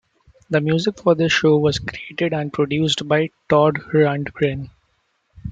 The music for this show was created and produced by Todd Rundgren.